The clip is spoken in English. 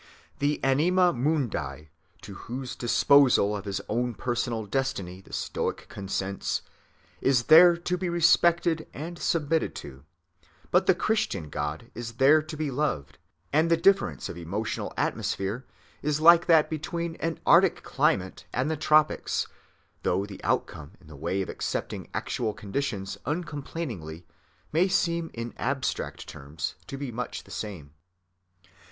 The anima mundi, to whose disposal of his own personal destiny the Stoic consents, is there to be respected and submitted to, but the Christian God is there to be loved; and the difference of emotional atmosphere is like that between an arctic climate and the tropics, though the outcome in the way of accepting actual conditions uncomplainingly may seem in abstract terms to be much the same.